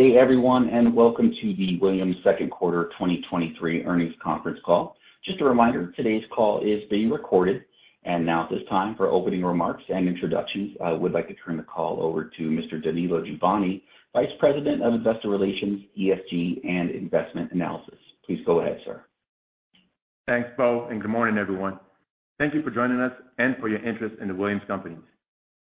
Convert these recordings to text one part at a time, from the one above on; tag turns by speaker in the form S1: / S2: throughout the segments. S1: Good day, everyone, and welcome to the Williams Second Quarter 2023 Earnings Conference Call. Just a reminder, today's call is being recorded. Now at this time, for opening remarks and introductions, I would like to turn the call over to Mr. Danilo Juvane, Vice President of Investor Relations, ESG, and Investment Analysis. Please go ahead, sir.
S2: Thanks, Bo. Good morning, everyone. Thank you for joining us and for your interest in The Williams Companies.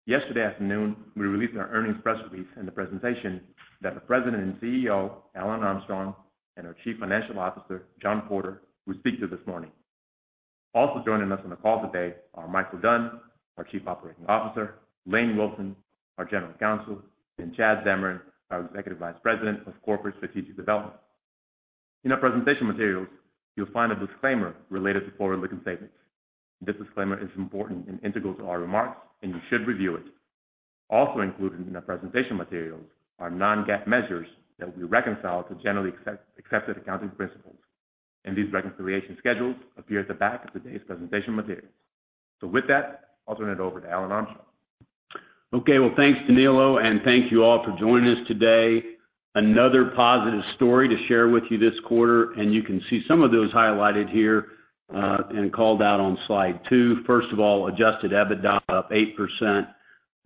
S2: Yesterday afternoon, we released our earnings press release and the presentation that the President and CEO, Alan Armstrong, and our Chief Financial Officer, John Porter, will speak to this morning. Also joining us on the call today are Michael Dunn, our Chief Operating Officer, Lainie Wilson, our General Counsel, and Chad Zamarin, our Executive Vice President of Corporate Strategic Development. In our presentation materials, you'll find a disclaimer related to forward-looking statements. This disclaimer is important and integral to our remarks. You should review it. Also included in the presentation materials are non-GAAP measures that we reconcile to generally accepted accounting principles. These reconciliation schedules appear at the back of today's presentation materials. With that, I'll turn it over to Alan Armstrong.
S3: Okay, well, thanks, Danilo. Thank you all for joining us today. Another positive story to share with you this quarter. You can see some of those highlighted here and called out on slide two. First of all, adjusted EBITDA up 8%,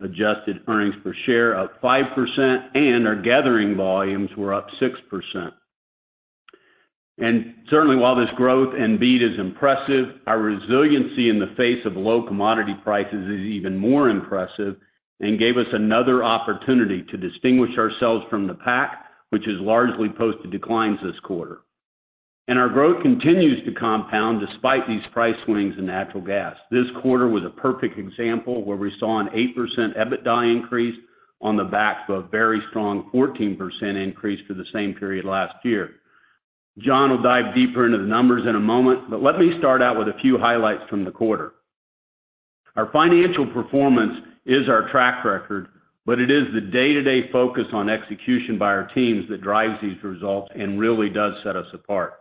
S3: adjusted earnings per share up 5%, and our gathering volumes were up 6%. Certainly, while this growth and beat is impressive, our resiliency in the face of low commodity prices is even more impressive and gave us another opportunity to distinguish ourselves from the pack, which has largely posted declines this quarter. Our growth continues to compound despite these price swings in natural gas. This quarter was a perfect example where we saw an 8% EBITDA increase on the back of a very strong 14% increase for the same period last year. John will dive deeper into the numbers in a moment. Let me start out with a few highlights from the quarter. Our financial performance is our track record, but it is the day-to-day focus on execution by our teams that drives these results and really does set us apart.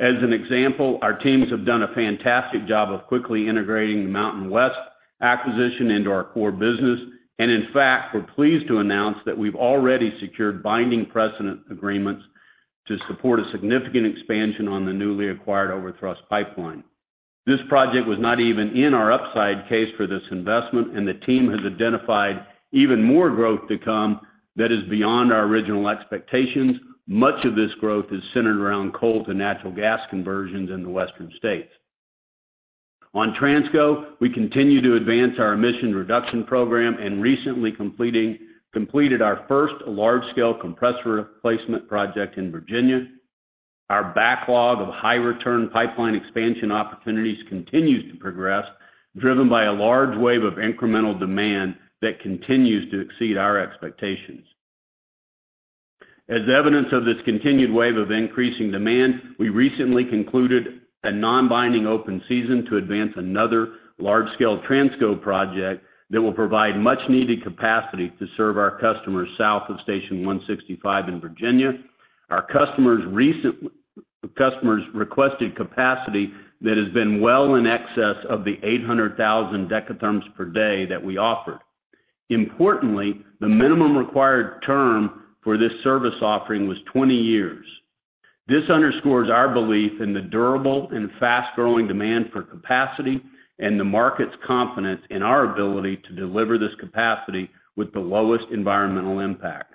S3: As an example, our teams have done a fantastic job of quickly integrating the MountainWest acquisition into our core business. In fact, we're pleased to announce that we've already secured binding precedent agreements to support a significant expansion on the newly acquired Overthrust Pipeline. This project was not even in our upside case for this investment, and the team has identified even more growth to come that is beyond our original expectations. Much of this growth is centered around coal to natural gas conversions in the Western states. On Transco, we continue to advance our emission reduction program and recently completed our first large-scale compressor replacement project in Virginia. Our backlog of high-return pipeline expansion opportunities continues to progress, driven by a large wave of incremental demand that continues to exceed our expectations. As evidence of this continued wave of increasing demand, we recently concluded a non-binding open season to advance another large-scale Transco project that will provide much-needed capacity to serve our customers south of Station 165 in Virginia. Our customers requested capacity that has been well in excess of the 800,000 decatherms per day that we offered. Importantly, the minimum required term for this service offering was 20 years. This underscores our belief in the durable and fast-growing demand for capacity and the market's confidence in our ability to deliver this capacity with the lowest environmental impact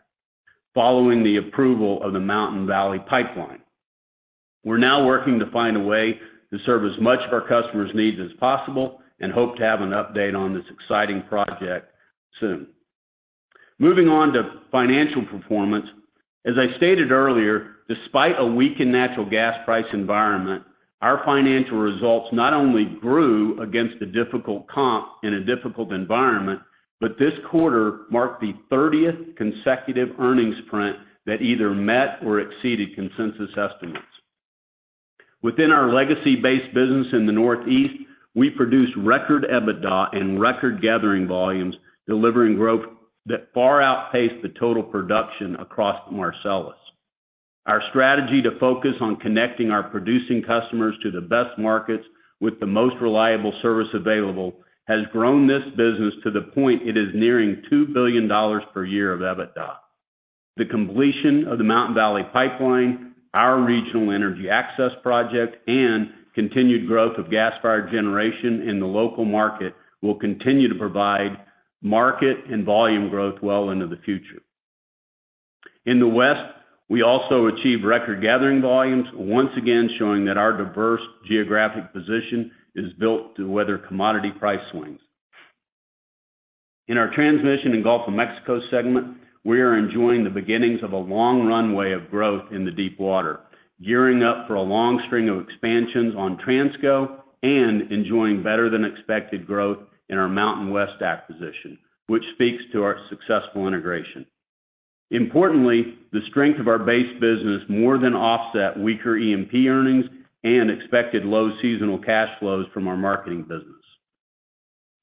S3: following the approval of the Mountain Valley Pipeline. We're now working to find a way to serve as much of our customers' needs as possible and hope to have an update on this exciting project soon. Moving on to financial performance. As I stated earlier, despite a weak and natural gas price environment, our financial results not only grew against a difficult comp in a difficult environment, but this quarter marked the 30th consecutive earnings print that either met or exceeded consensus estimates. Within our legacy-based business in the Northeast, we produced record EBITDA and record gathering volumes, delivering growth that far outpaced the total production across the Marcellus. Our strategy to focus on connecting our producing customers to the best markets with the most reliable service available has grown this business to the point it is nearing $2 billion per year of EBITDA. The completion of the Mountain Valley Pipeline, our Regional Energy Access Project, and continued growth of gas-fired generation in the local market will continue to provide market and volume growth well into the future. In the West, we also achieved record gathering volumes, once again showing that our diverse geographic position is built to weather commodity price swings. In our transmission in Gulf of Mexico segment, we are enjoying the beginnings of a long runway of growth in the deep water, gearing up for a long string of expansions on Transco and enjoying better-than-expected growth in our MountainWest acquisition, which speaks to our successful integration. Importantly, the strength of our base business more than offset weaker E&P earnings and expected low seasonal cash flows from our marketing business.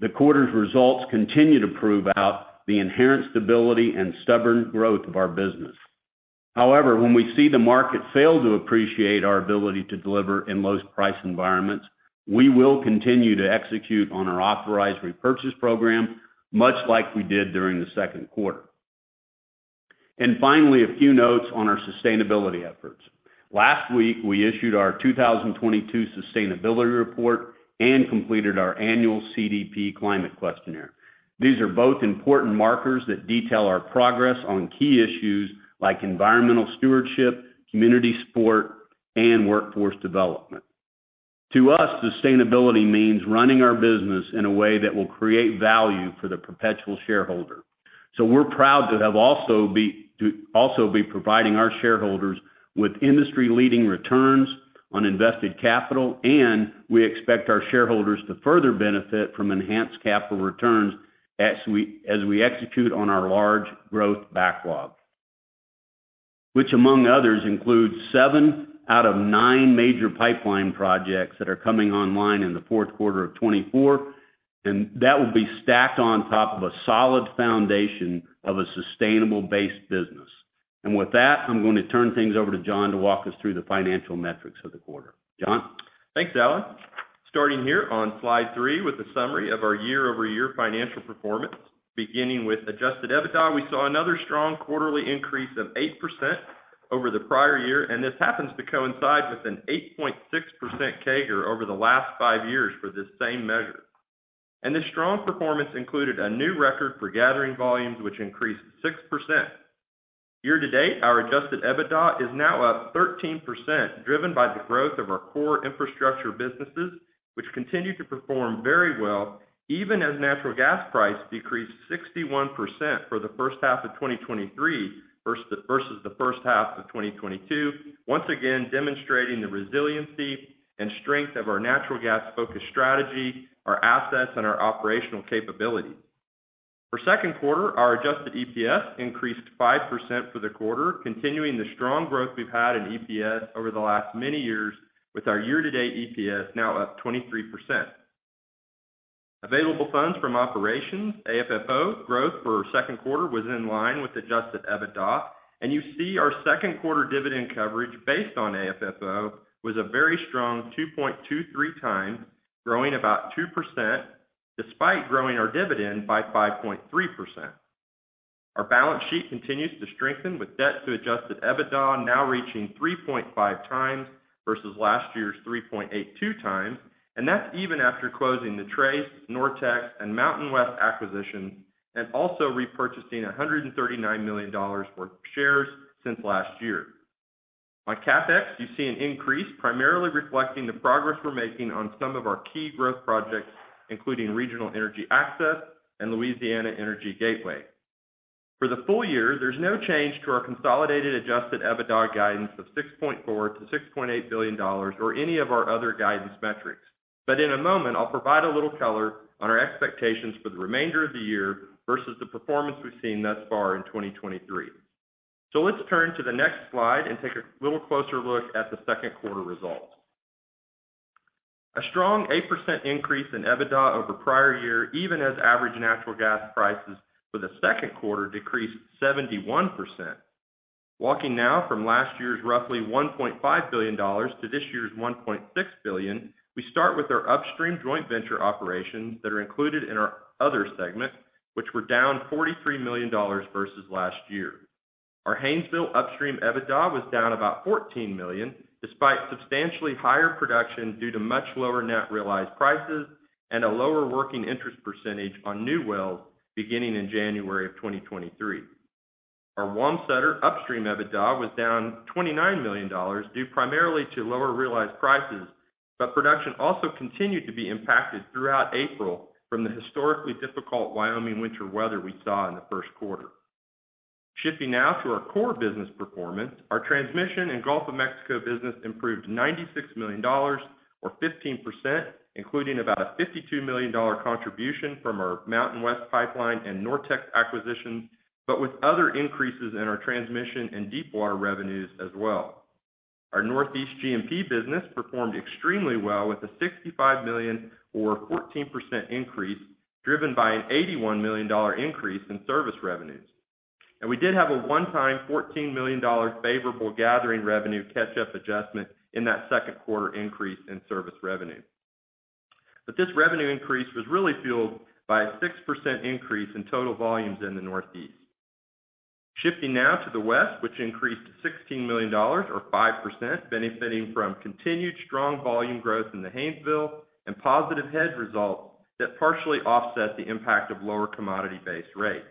S3: The quarter's results continue to prove out the inherent stability and stubborn growth of our business. However, when we see the market fail to appreciate our ability to deliver in low price environments, we will continue to execute on our authorized repurchase program, much like we did during the second quarter. Finally, a few notes on our sustainability efforts. Last week, we issued our 2022 sustainability report and completed our annual CDP Climate Questionnaire. These are both important markers that detail our progress on key issues like environmental stewardship, community support, and workforce development. To us, sustainability means running our business in a way that will create value for the perpetual shareholder. We're proud to also be providing our shareholders with industry-leading returns on invested capital, and we expect our shareholders to further benefit from enhanced capital returns as we, as we execute on our large growth backlog, which among others, includes seven out of nine major pipeline projects that are coming online in the fourth quarter of 2024, and that will be stacked on top of a solid foundation of a sustainable base business. With that, I'm going to turn things over to John to walk us through the financial metrics of the quarter. John?
S4: Thanks, Alan. Starting here on slide three with a summary of our year-over-year financial performance. Beginning with adjusted EBITDA, we saw another strong quarterly increase of 8% over the prior year, this happens to coincide with an 8.6% CAGR over the last five years for this same measure. This strong performance included a new record for gathering volumes, which increased 6%. Year to date, our adjusted EBITDA is now up 13%, driven by the growth of our core infrastructure businesses, which continue to perform very well, even as natural gas price decreased 61% for the first half of 2023, versus the first half of 2022. Once again, demonstrating the resiliency and strength of our natural gas-focused strategy, our assets, and our operational capabilities. For second quarter, our adjusted EPS increased 5% for the quarter, continuing the strong growth we've had in EPS over the last many years, with our year-to-date EPS now up 23%. Available funds from operations, AFFO, growth for second quarter was in line with adjusted EBITDA. You see our second quarter dividend coverage based on AFFO was a very strong 2.23 times, growing about 2%, despite growing our dividend by 5.3%. Our balance sheet continues to strengthen with debt to adjusted EBITDA now reaching 3.5 times versus last year's 3.82 times. That's even after closing the Trace, NorTex, and MountainWest acquisitions, also repurchasing $139 million worth of shares since last year. On CapEx, you see an increase, primarily reflecting the progress we're making on some of our key growth projects, including Regional Energy Access and Louisiana Energy Gateway. For the full year, there's no change to our consolidated adjusted EBITDA guidance of $6.4 billion-$6.8 billion or any of our other guidance metrics. In a moment, I'll provide a little color on our expectations for the remainder of the year versus the performance we've seen thus far in 2023. Let's turn to the next slide and take a little closer look at the second quarter results. A strong 8% increase in EBITDA over prior year, even as average natural gas prices for the second quarter decreased 71%. Walking now from last year's roughly $1.5 billion to this year's $1.6 billion, we start with our upstream joint venture operations that are included in our other segment, which were down $43 million versus last year. Our Haynesville upstream EBITDA was down about $14 million, despite substantially higher production due to much lower net realized prices and a lower working interest percentage on new wells beginning in January of 2023. Our Wamsutter upstream EBITDA was down $29 million, due primarily to lower realized prices, but production also continued to be impacted throughout April from the historically difficult Wyoming winter weather we saw in the first quarter. Shifting now to our core business performance, our transmission in Gulf of Mexico business improved $96 million or 15%, including about a $52 million contribution from our MountainWest Pipeline and NorTex acquisitions, with other increases in our transmission and deepwater revenues as well. Our Northeast G&P business performed extremely well with a $65 million or 14% increase, driven by an $81 million increase in service revenues. We did have a one-time $14 million favorable gathering revenue catch-up adjustment in that 2Q increase in service revenue. This revenue increase was really fueled by a 6% increase in total volumes in the Northeast. Shifting now to the West, which increased $16 million or 5%, benefiting from continued strong volume growth in the Haynesville and positive hedge results that partially offset the impact of lower commodity-based rates.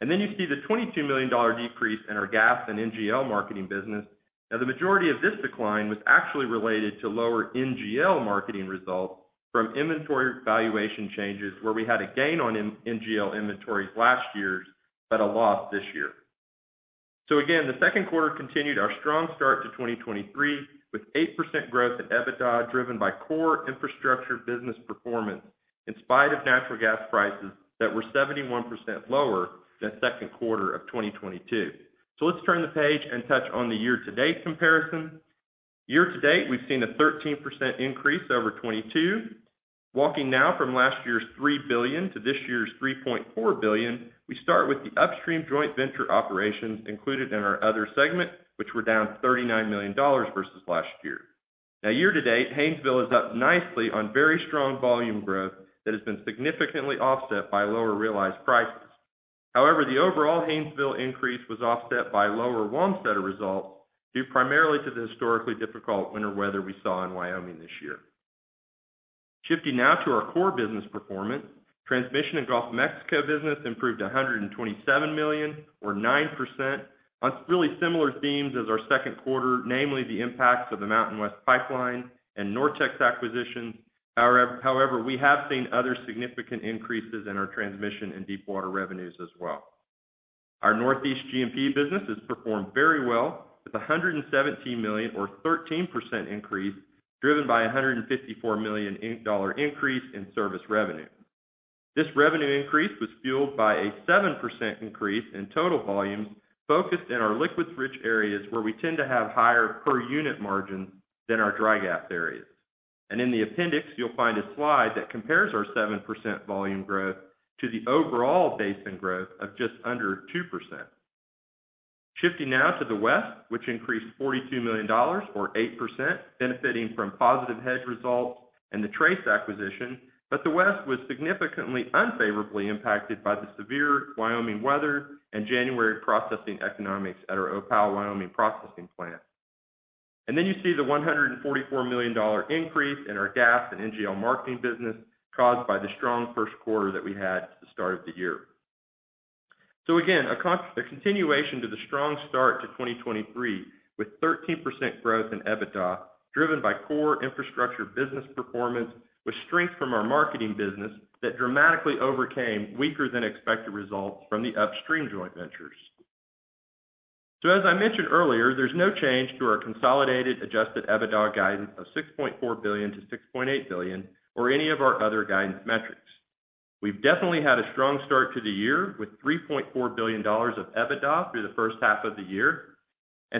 S4: You see the $22 million decrease in our gas and NGL marketing business. The majority of this decline was actually related to lower NGL marketing results from inventory valuation changes, where we had a gain on NGL inventories last year, but a loss this year. Again, the second quarter continued our strong start to 2023, with 8% growth in EBITDA, driven by core infrastructure business performance, in spite of natural gas prices that were 71% lower than second quarter of 2022. Let's turn the page and touch on the year-to-date comparison. Year-to-date, we've seen a 13% increase over 2022. Walking now from last year's $3 billion to this year's $3.4 billion, we start with the upstream joint venture operations included in our other segment, which were down $39 million versus last year. Now, year-to-date, Haynesville is up nicely on very strong volume growth that has been significantly offset by lower realized prices. However, the overall Wamsutter increase was offset by lower Wamsutter results, due primarily to the historically difficult winter weather we saw in Wyoming this year. Shifting now to our core business performance, transmission in Gulf of Mexico business improved $127 million, or 9%, on really similar themes as our second quarter, namely the impacts of the MountainWest Pipeline and NorTex acquisition. However, we have seen other significant increases in our transmission and deepwater revenues as well. Our Northeast G&P business has performed very well, with $117 million, or 13% increase, driven by $154 million, inch dollar increase in service revenue. This revenue increase was fueled by a 7% increase in total volumes, focused in our liquids-rich areas, where we tend to have higher per unit margins than our dry gas areas. In the appendix, you'll find a slide that compares our 7% volume growth to the overall basin growth of just under 2%. Shifting now to the West, which increased $42 million or 8%, benefiting from positive hedge results and the Trace acquisition, but the West was significantly unfavorably impacted by the severe Wyoming weather and January processing economics at our Opal Wyoming processing plant. You see the $144 million increase in our gas and NGL marketing business, caused by the strong first quarter that we had at the start of the year. Again, a continuation to the strong start to 2023, with 13% growth in EBITDA, driven by core infrastructure business performance, with strength from our marketing business that dramatically overcame weaker than expected results from the upstream joint ventures. As I mentioned earlier, there's no change to our consolidated adjusted EBITDA guidance of $6.4 billion-$6.8 billion, or any of our other guidance metrics. We've definitely had a strong start to the year, with $3.4 billion of EBITDA through the first half of the year.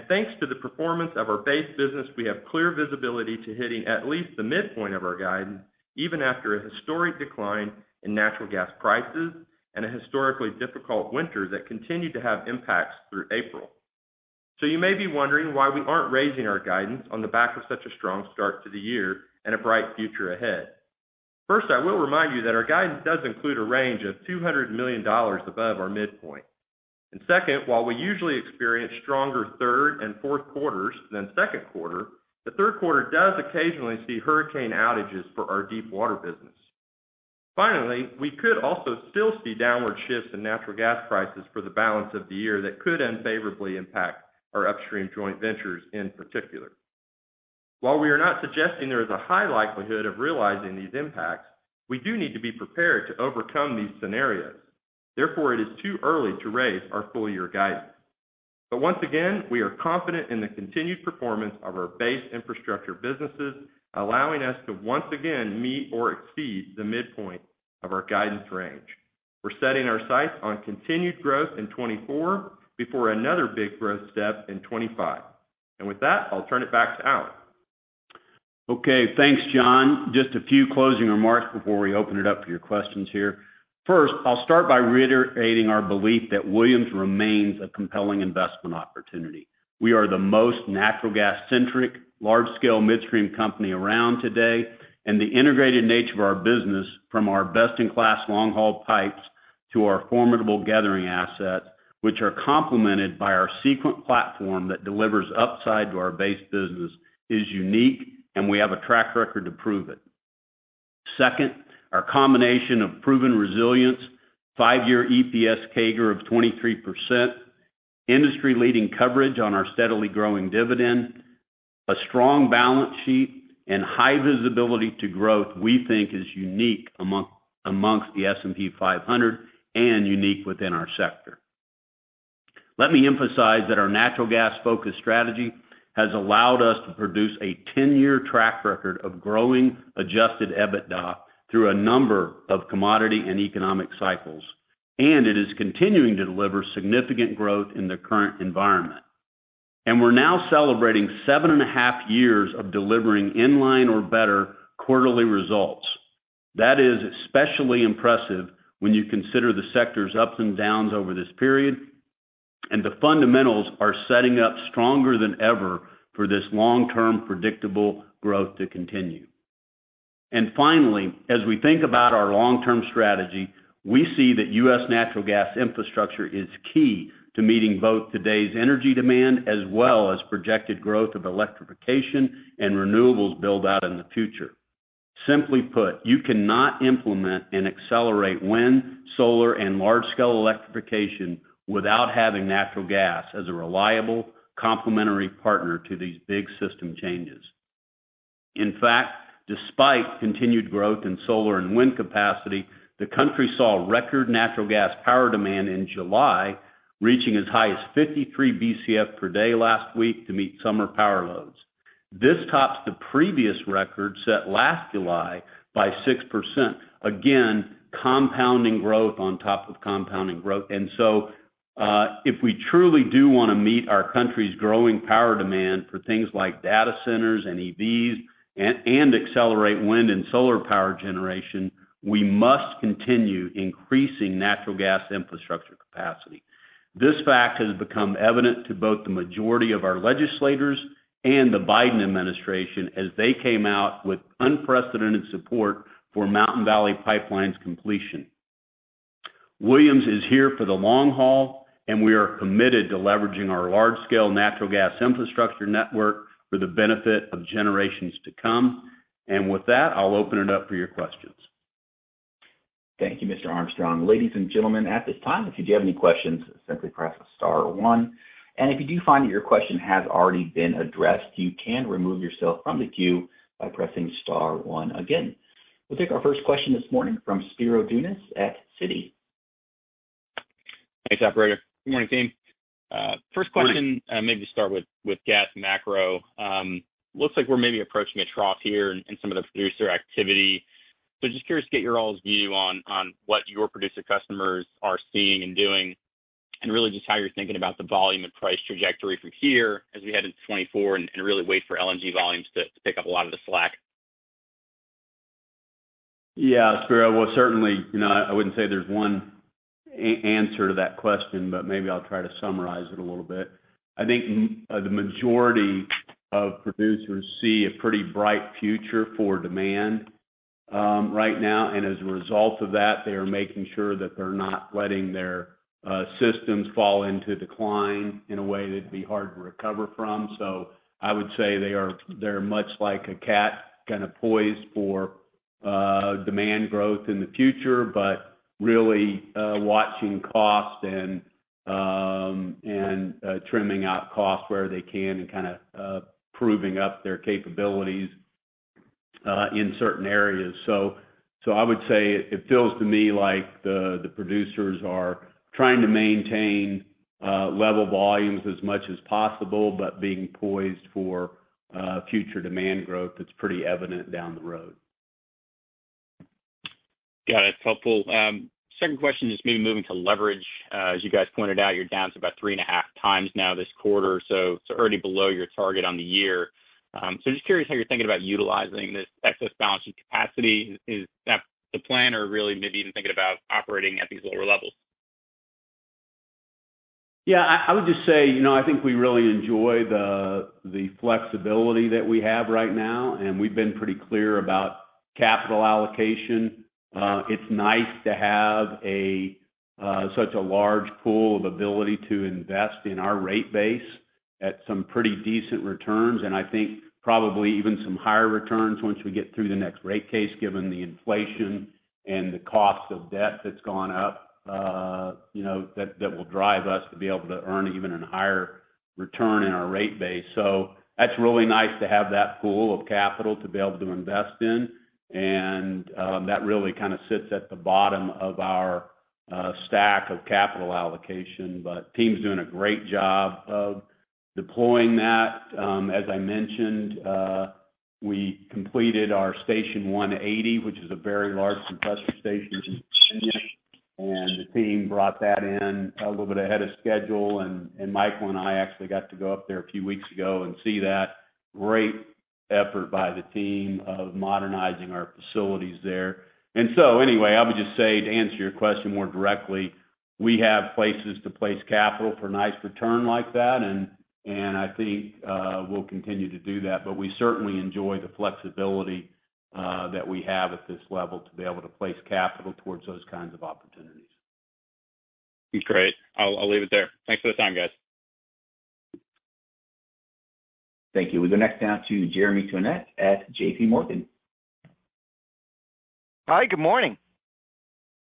S4: Thanks to the performance of our base business, we have clear visibility to hitting at least the midpoint of our guidance, even after a historic decline in natural gas prices and a historically difficult winter that continued to have impacts through April. You may be wondering why we aren't raising our guidance on the back of such a strong start to the year and a bright future ahead. First, I will remind you that our guidance does include a range of $200 million above our midpoint. Second, while we usually experience stronger third and fourth quarters than second quarter, the third quarter does occasionally see hurricane outages for our deepwater business. Finally, we could also still see downward shifts in natural gas prices for the balance of the year that could unfavorably impact our upstream joint ventures in particular. While we are not suggesting there is a high likelihood of realizing these impacts, we do need to be prepared to overcome these scenarios. Therefore, it is too early to raise our full year guidance. Once again, we are confident in the continued performance of our base infrastructure businesses, allowing us to once again meet or exceed the midpoint of our guidance range. We're setting our sights on continued growth in 2024, before another big growth step in 2025. With that, I'll turn it back to Alan.
S3: Okay, thanks, John. Just a few closing remarks before we open it up to your questions here. First, I'll start by reiterating our belief that Williams remains a compelling investment opportunity. We are the most natural gas-centric, large-scale midstream company around today. The integrated nature of our business, from our best-in-class long-haul pipes to our formidable gathering assets, which are complemented by our Sequent platform that delivers upside to our base business, is unique, and we have a track record to prove it. Second, our combination of proven resilience, five-year EPS CAGR of 23%, industry-leading coverage on our steadily growing dividend, a strong balance sheet, and high visibility to growth, we think is unique amongst the S&P 500 and unique within our sector. Let me emphasize that our natural gas-focused strategy has allowed us to produce a 10-year track record of growing adjusted EBITDA through a number of commodity and economic cycles, and it is continuing to deliver significant growth in the current environment. We're now celebrating 7 and a half years of delivering in-line or better quarterly results. That is especially impressive when you consider the sector's ups and downs over this period, and the fundamentals are setting up stronger than ever for this long-term predictable growth to continue. Finally, as we think about our long-term strategy, we see that U.S. natural gas infrastructure is key to meeting both today's energy demand, as well as projected growth of electrification and renewables build-out in the future. Simply put, you cannot implement and accelerate wind, solar, and large-scale electrification without having natural gas as a reliable, complementary partner to these big system changes. In fact, despite continued growth in solar and wind capacity, the country saw record natural gas power demand in July, reaching as high as 53 BCF per day last week to meet summer power loads. This tops the previous record set last July by 6%. Again, compounding growth on top of compounding growth. If we truly do want to meet our country's growing power demand for things like data centers and EVs, and, and accelerate wind and solar power generation, we must continue increasing natural gas infrastructure capacity. This fact has become evident to both the majority of our legislators and the Biden administration, as they came out with unprecedented support for Mountain Valley Pipeline's completion. Williams is here for the long haul, and we are committed to leveraging our large-scale natural gas infrastructure network for the benefit of generations to come. With that, I'll open it up for your questions.
S1: Thank you, Mr. Armstrong. Ladies and gentlemen, at this time, if you do you have any questions, simply press star one. If you do find that your question has already been addressed, you can remove yourself from the queue by pressing star one again. We'll take our first question this morning from Spiro Dounis at Citi.
S5: Thanks, operator. Good morning, team. First question, maybe start with, with gas macro. looks like we're maybe approaching a trough here in, in some of the producer activity. just curious to get your all's view on, on what your producer customers are seeing and doing, and really just how you're thinking about the volume and price trajectory from here as we head into 2024, and really wait for LNG volumes to, to pick up a lot of the slack.
S3: Yeah, Spiro. Well, certainly, you know, I wouldn't say there's one answer to that question, but maybe I'll try to summarize it a little bit. I think the majority of producers see a pretty bright future for demand, right now, and as a result of that, they are making sure that they're not letting their systems fall into decline in a way that'd be hard to recover from. I would say they're much like a cat, kind of, poised for demand growth in the future, really, watching costs and, and trimming out costs where they can and kind of, proving up their capabilities in certain areas. I would say it feels to me like the, the producers are trying to maintain level volumes as much as possible, but being poised for future demand growth that's pretty evident down the road.
S5: Got it. Helpful. Second question, just maybe moving to leverage. As you guys pointed out, you're down to about 3.5 times now this quarter, so it's already below your target on the year. Just curious how you're thinking about utilizing this excess balancing capacity. Is that the plan or really maybe even thinking about operating at these lower levels?
S3: Yeah, I, I would just say, you know, I think we really enjoy the, the flexibility that we have right now, and we've been pretty clear about capital allocation. It's nice to have a such a large pool of ability to invest in our rate base at some pretty decent returns, and I think probably even some higher returns once we get through the next rate case, given the inflation and the cost of debt that's gone up, you know, that, that will drive us to be able to earn even an higher return in our rate base. That's really nice to have that pool of capital to be able to invest in, and that really kind of sits at the bottom of our stack of capital allocation. Team's doing a great job of deploying that. As I mentioned, we completed our Station 180, which is a very large compressor station in Virginia, and Michael and I actually got to go up there a few weeks ago and see that. Great effort by the team of modernizing our facilities there. Anyway, I would just say, to answer your question more directly, we have places to place capital for nice return like that, and I think, we'll continue to do that. We certainly enjoy the flexibility, that we have at this level to be able to place capital towards those kinds of opportunities.
S5: Great. I'll, I'll leave it there. Thanks for the time, guys.
S1: Thank you. We go next down to Jeremy Tonet at JPMorgan.
S6: Hi, good morning.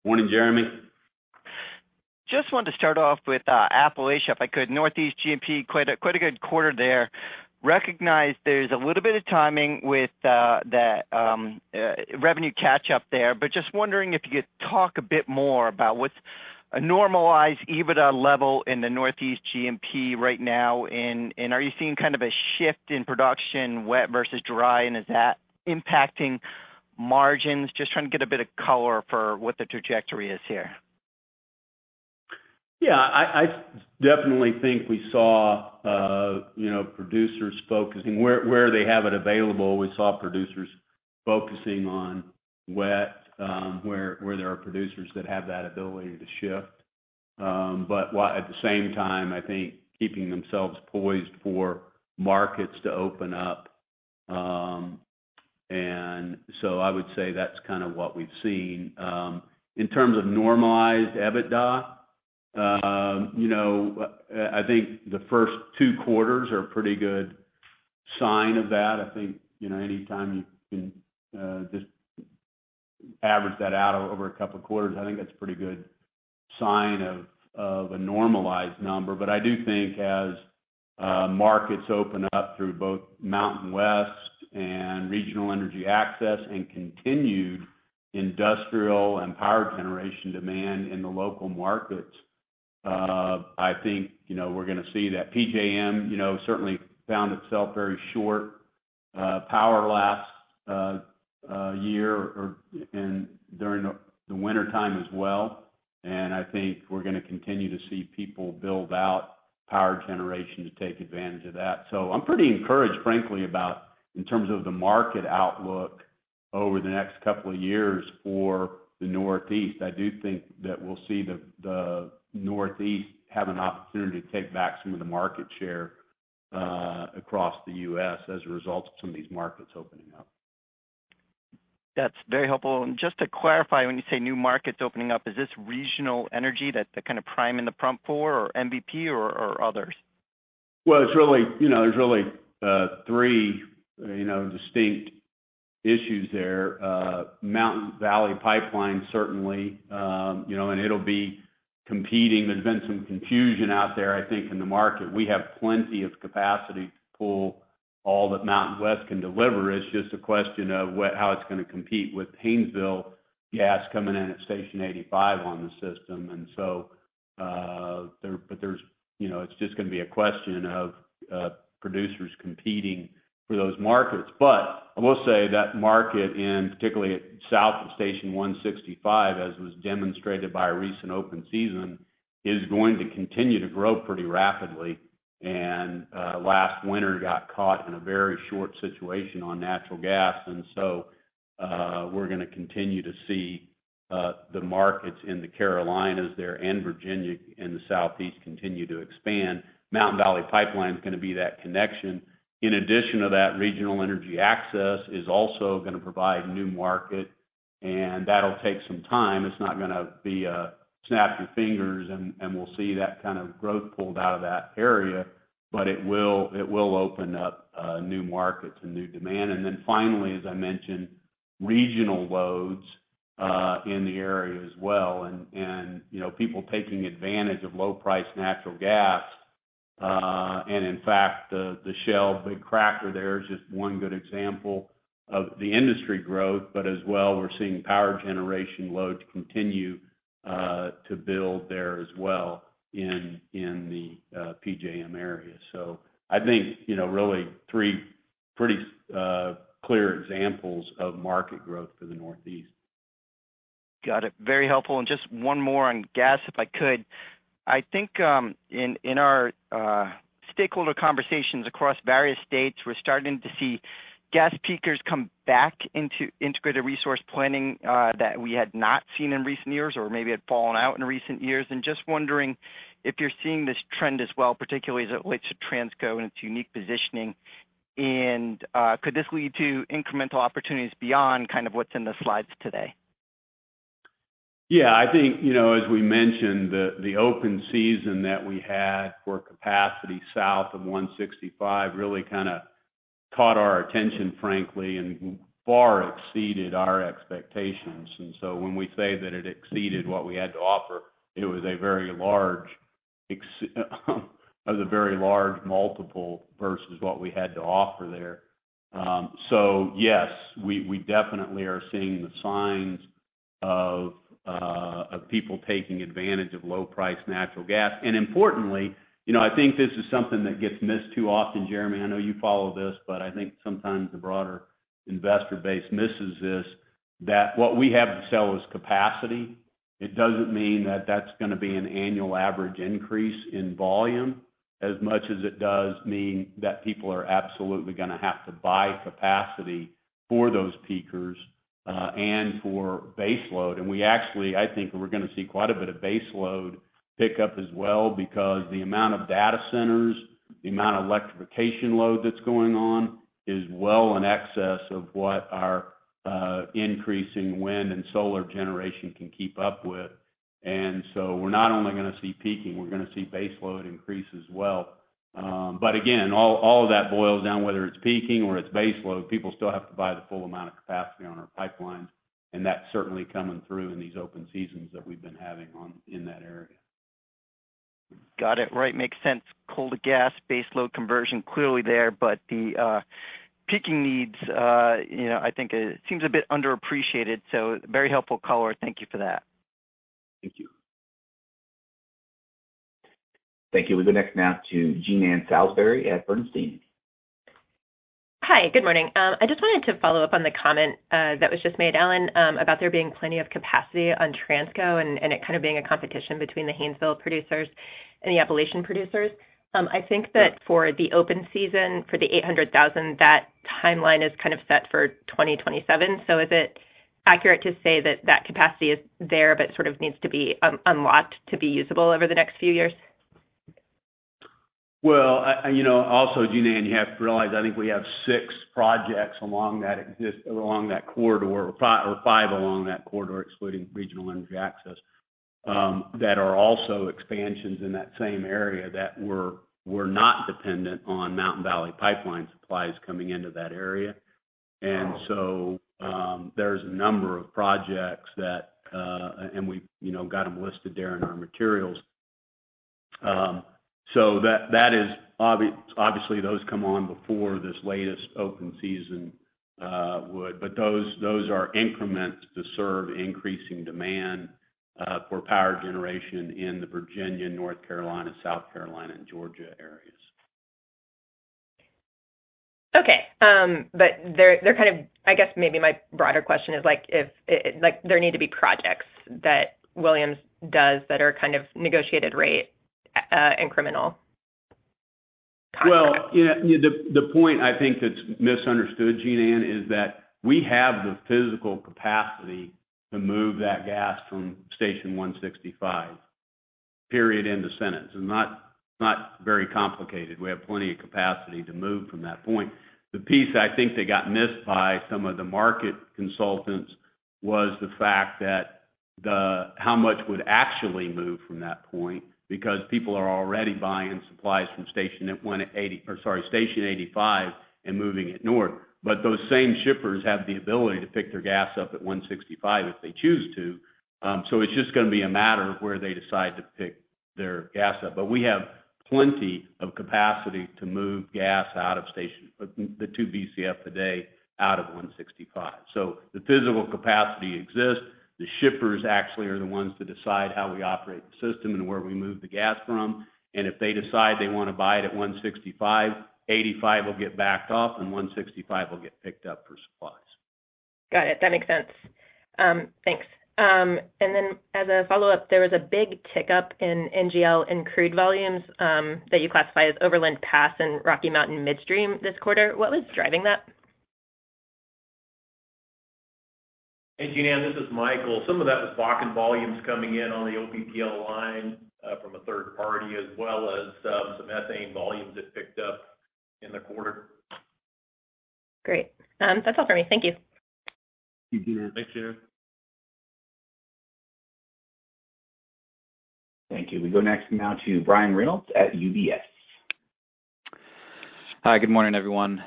S3: Morning, Jeremy.
S6: Just wanted to start off with Appalachia, if I could. Northeast G&P, quite a, quite a good quarter there. Recognize there's a little bit of timing with the revenue catch-up there, but just wondering if you could talk a bit more about what's a normalized EBITDA level in the Northeast G&P right now, and are you seeing kind of a shift in production, wet versus dry, and is that impacting margins? Just trying to get a bit of color for what the trajectory is here.
S3: Yeah, I, I definitely think we saw, you know, producers focusing where, where they have it available, we saw producers focusing on wet, where, where there are producers that have that ability to shift. While at the same time, I think, keeping themselves poised for markets to open up. I would say that's kind of what we've seen. In terms of normalized EBITDA, you know, I think the first 2 quarters are a pretty good sign of that. I think, you know, anytime you can just average that out over a couple of quarters, I think that's a pretty good sign of, of a normalized number. I do think as markets open up through both MountainWest and Regional Energy Access, and continued industrial and power generation demand in the local markets, I think, you know, we're gonna see that. PJM, you know, certainly found itself very short power last year or, and during the wintertime as well. I think we're going to continue to see people build out power generation to take advantage of that. I'm pretty encouraged, frankly, about in terms of the market outlook over the next couple of years for the Northeast. I do think that we'll see the Northeast have an opportunity to take back some of the market share across the US as a result of some of these markets opening up.
S6: That's very helpful. Just to clarify, when you say new markets opening up, is this Regional Energy that kind of prime in the prompt for, or MVP or others?
S3: Well, it's really, you know, there's really three, you know, distinct issues there. Mountain Valley Pipeline, certainly, you know, and it'll be competing. There's been some confusion out there, I think, in the market. We have plenty of capacity to pull all that MountainWest can deliver. It's just a question of what how it's going to compete with Haynesville gas coming in at Station 85 on the system. There, but there's, you know, it's just going to be a question of producers competing for those markets. I will say that market, and particularly south of Station 165, as was demonstrated by a recent open season, is going to continue to grow pretty rapidly. Last winter got caught in a very short situation on natural gas, we're going to continue to see the markets in the Carolinas there and Virginia and the Southeast continue to expand. Mountain Valley Pipeline is going to be that connection. In addition to that, Regional Energy Access is also going to provide new market, that'll take some time. It's not going to be a snap your fingers, we'll see that kind of growth pulled out of that area, but it will, it will open up new markets and new demand. Finally, as I mentioned, regional loads in the area as well. People taking advantage of low-priced natural gas. In fact, the, the Shell big cracker there is just 1 good example of the industry growth, but as well, we're seeing power generation loads continue to build there as well in, in the PJM area. I think, you know, really three pretty clear examples of market growth for the Northeast.
S6: Got it. Very helpful. Just one more on gas, if I could. I think, in, in our, stakeholder conversations across various states, we're starting to see gas peakers come back into integrated resource planning, that we had not seen in recent years or maybe had fallen out in recent years. Just wondering if you're seeing this trend as well, particularly as it relates to Transco and its unique positioning, and, could this lead to incremental opportunities beyond kind of what's in the slides today?
S3: Yeah, I think, you know, as we mentioned, the open season that we had for capacity south of One Sixty-Five really kind of caught our attention, frankly, and far exceeded our expectations. When we say that it exceeded what we had to offer, it was a very large it was a very large multiple versus what we had to offer there. Yes, we definitely are seeing the signs of people taking advantage of low-priced natural gas. Importantly, you know, I think this is something that gets missed too often, Jeremy, I know you follow this, but I think sometimes the broader investor base misses this, that what we have to sell is capacity. It doesn't mean that that's going to be an annual average increase in volume, as much as it does mean that people are absolutely going to have to buy capacity for those peakers and for baseload. We actually, I think we're going to see quite a bit of baseload pickup as well, because the amount of data centers, the amount of electrification load that's going on, is well in excess of what our increasing wind and solar generation can keep up with. So we're not only going to see peaking, we're going to see baseload increase as well. But again, all, all of that boils down, whether it's peaking or it's baseload, people still have to buy the full amount of capacity on our pipelines, and that's certainly coming through in these open seasons that we've been having in that area.
S6: Got it. Right, makes sense. Coal to gas, baseload conversion, clearly there, but the, peaking needs, you know, I think it seems a bit underappreciated. Very helpful color. Thank you for that.
S3: Thank you.
S1: Thank you. We'll go next now to Jean Ann Salisbury at Bernstein.
S7: Hi, good morning. I just wanted to follow up on the comment that was just made, Alan, about there being plenty of capacity on TransCo and it kind of being a competition between the Haynesville producers and the Appalachian producers. I think that for the open season, for the 800,000, that timeline is kind of set for 2027. Is it accurate to say that that capacity is there, but sort of needs to be unlocked to be usable over the next few years?
S3: Well, you know, also, Jean Ann, you have to realize, I think we have six projects along that corridor, or five, or five along that corridor, excluding Regional Energy Access, that are also expansions in that same area that were, were not dependent on Mountain Valley Pipeline supplies coming into that area. There's a number of projects that, and we've, you know, got them listed there in our materials. That, that is obviously, those come on before this latest open season, would. Those, those are increments to serve increasing demand. For power generation in the Virginia, North Carolina, South Carolina, and Georgia areas.
S7: Okay. they're, they're kind of, I guess maybe my broader question is, like, if, like, there need to be projects that Williams does that are kind of negotiated rate, and criminal?
S3: Well, yeah, yeah, the, the point I think that's misunderstood, Jean Ann, is that we have the physical capacity to move that gas from Station 165, period, end of sentence, and not, not very complicated. We have plenty of capacity to move from that point. The piece I think that got missed by some of the market consultants was the fact that how much would actually move from that point, because people are already buying supplies from Station at 180, Station 85 and moving it north. Those same shippers have the ability to pick their gas up at 165 if they choose to. It's just gonna be a matter of where they decide to pick their gas up. We have plenty of capacity to move gas out of station the two BCF today, out of 165. The physical capacity exists. The shippers actually are the ones to decide how we operate the system and where we move the gas from, and if they decide they want to buy it at 165, 85 will get backed off and 165 will get picked up for supplies.
S7: Got it. That makes sense. Thanks. As a follow-up, there was a big tick-up in NGL and crude volumes that you classified as Overland Pass and Rocky Mountain Midstream this quarter. What was driving that?
S8: Hey, Jean Ann, this is Michael. Some of that was Bakken volumes coming in on the OPPL, from a third party, as well as, some methane volumes that picked up in the quarter.
S7: Great. That's all for me. Thank you.
S8: Thank you.
S3: Thanks, Jeanann.
S1: Thank you. We go next now to Brian Reynolds at UBS.
S9: Hi, good morning, everyone.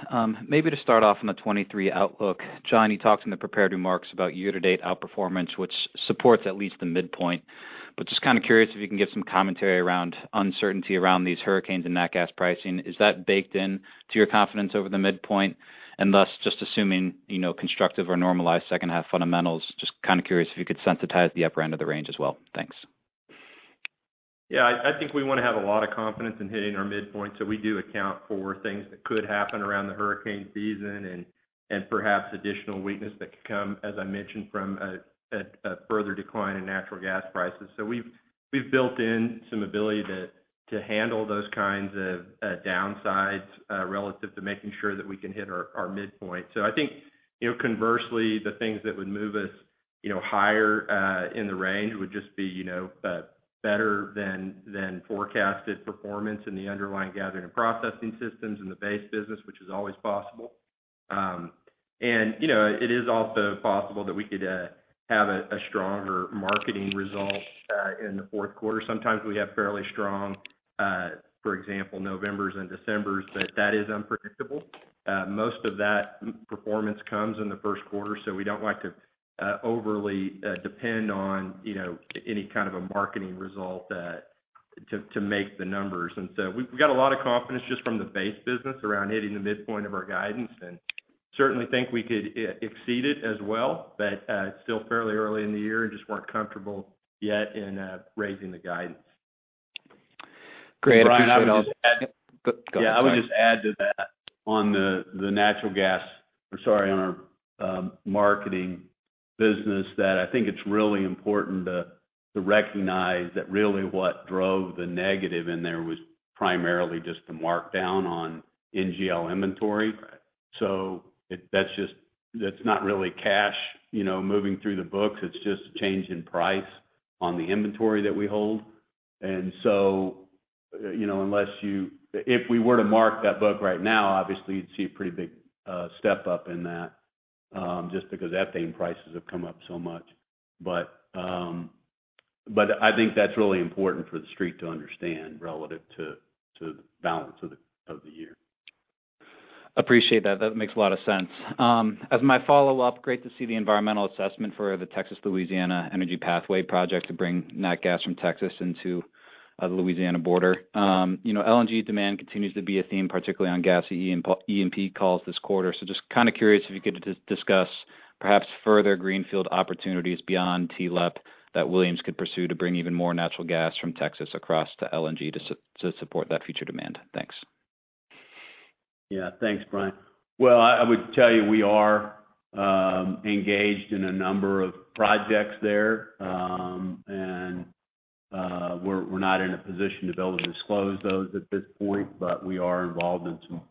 S9: Maybe to start off on the 2023 outlook, Johnny talked in the prepared remarks about year-to-date outperformance, which supports at least the midpoint. Just kind of curious if you can give some commentary around uncertainty around these hurricanes and net gas pricing? Is that baked in to your confidence over the midpoint, and thus, just assuming, you know, constructive or normalized second half fundamentals, just kind of curious if you could sensitize the upper end of the range as well? Thanks.
S4: Yeah, I think we want to have a lot of confidence in hitting our midpoint, so we do account for things that could happen around the hurricane season and, and perhaps additional weakness that could come, as I mentioned, from a further decline in natural gas prices. We've built in some ability to handle those kinds of downsides relative to making sure that we can hit our midpoint. I think, you know, conversely, the things that would move us, you know, higher in the range would just be, you know, better than forecasted performance in the underlying gathering and processing systems in the base business, which is always possible. You know, it is also possible that we could have a stronger marketing result in the fourth quarter. Sometimes we have fairly strong, for example, Novembers and Decembers. That is unpredictable. Most of that performance comes in the first quarter. We don't like to, overly, depend on, you know, any kind of a marketing result, to, to make the numbers. We've, we've got a lot of confidence just from the base business around hitting the midpoint of our guidance, and certainly think we could exceed it as well. It's still fairly early in the year and just weren't comfortable yet in, raising the guidance.
S9: Great.
S3: Brian, I would just add.
S9: Go.
S3: Yeah, I would just add to that on the natural gas. I'm sorry, on our marketing business, that I think it's really important to recognize that really what drove the negative in there was primarily just the markdown on NGL inventory.
S9: Right.
S3: That's just, that's not really cash, you know, moving through the books, it's just a change in price on the inventory that we hold. You know, unless if we were to mark that book right now, obviously, you'd see a pretty big step-up in that, just because ethane prices have come up so much. I think that's really important for the street to understand relative to, to the balance of the, of the year.
S9: Appreciate that. That makes a lot of sense. As my follow-up, great to see the environmental assessment for the Louisiana Energy Gateway to bring nat gas from Texas into the Louisiana border. You know, LNG demand continues to be a theme, particularly on Gas, E&P calls this quarter. So just kind of curious if you could discuss perhaps further greenfield opportunities beyond the LEG that Williams could pursue to bring even more natural gas from Texas across to LNG to support that future demand. Thanks.
S3: Yeah. Thanks, Brian. Well, I, I would tell you, we are engaged in a number of projects there. We're not in a position to be able to disclose those at this point, but we are involved in some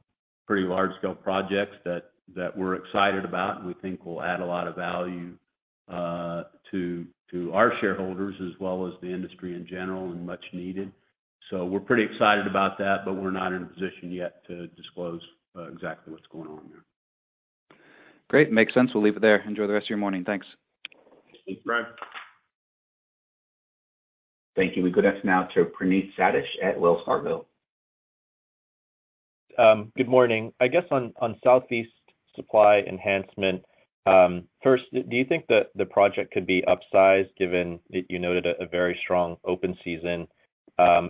S3: pretty large-scale projects that we're excited about and we think will add a lot of value to our shareholders, as well as the industry in general, and much needed. We're pretty excited about that, but we're not in a position yet to disclose exactly what's going on there.
S9: Great, makes sense. We'll leave it there. Enjoy the rest of your morning. Thanks.
S3: Thanks, Brian.
S1: Thank you. We go next now to Praneeth Satish at Wells Fargo.
S10: Good morning. I guess on, on Southeast Supply Enhancement, first, do you think that the project could be upsized, given that you noted a very strong open season? I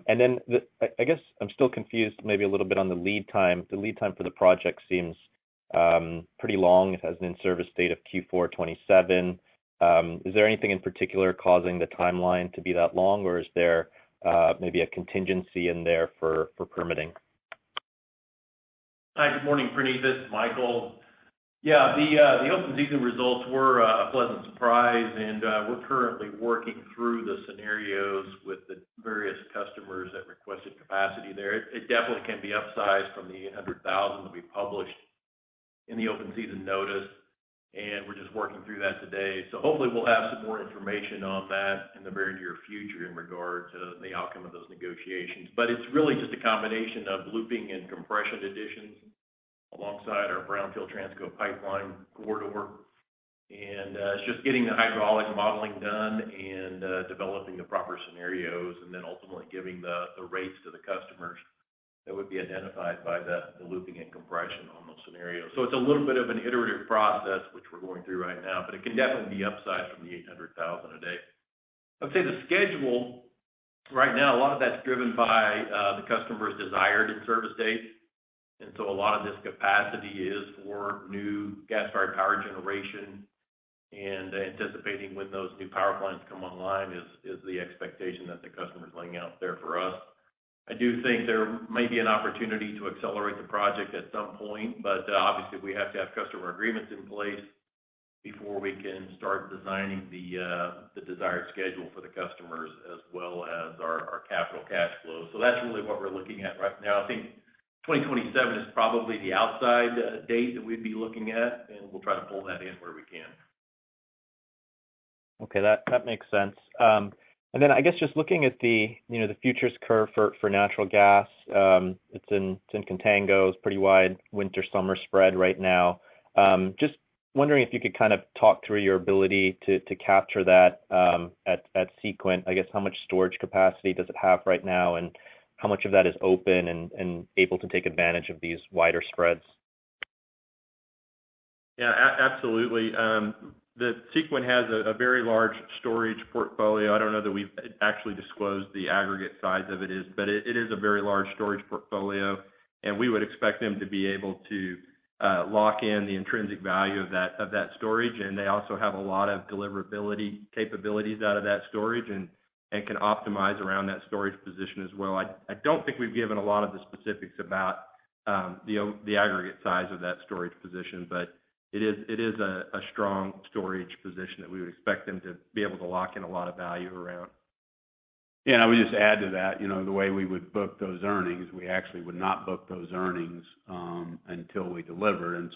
S10: guess I'm still confused, maybe a little bit on the lead time. The lead time for the project seems pretty long. It has an in-service date of Q4 2027. Is there anything in particular causing the timeline to be that long, or is there maybe a contingency in there for permitting?
S8: Hi, good morning, Praneeth. This is Michael. Yeah, the, the open season results were a pleasant surprise, and we're currently working through the scenarios with the various customers that requested capacity there. It, it definitely can be upsized from the 800,000 that we published in the open season notice, and we're just working through that today. Hopefully, we'll have some more information on that in the very near future in regards to the outcome of those negotiations. It's really just a combination of looping and compression additions alongside our Brownfield Transco pipeline corridor. It's just getting the hydraulic modeling done and developing the proper scenarios, and then ultimately giving the rates to the customers that would be identified by the looping and compression on those scenarios. It's a little bit of an iterative process, which we're going through right now, but it can definitely be upsized from the 800,000 a day. I'd say the schedule, right now, a lot of that's driven by the customer's desired in-service date. A lot of this capacity is for new gas-fired power generation, and anticipating when those new power plants come online is, is the expectation that the customer's laying out there for us. I do think there may be an opportunity to accelerate the project at some point, but obviously, we have to have customer agreements in place before we can start designing the desired schedule for the customers as well as our, our capital cash flow. That's really what we're looking at right now. I think 2027 is probably the outside date that we'd be looking at, and we'll try to pull that in where we can.
S10: Okay, that, that makes sense. Then I guess just looking at the, you know, the futures curve for, for natural gas, it's in, it's in contangos, pretty wide winter-summer spread right now. Just wondering if you could kind of talk through your ability to, to capture that, at Sequent. I guess how much storage capacity does it have right now, and how much of that is open and, and able to take advantage of these wider spreads?
S8: Yeah, absolutely. The Sequent has a very large storage portfolio. I don't know that we've actually disclosed the aggregate size of it is, it is a very large storage portfolio, and we would expect them to be able to lock in the intrinsic value of that storage. They also have a lot of deliverability capabilities out of that storage and can optimize around that storage position as well. I don't think we've given a lot of the specifics about the aggregate size of that storage position, it is a strong storage position that we would expect them to be able to lock in a lot of value around.
S3: Yeah, I would just add to that, you know, the way we would book those earnings, we actually would not book those earnings until we deliver.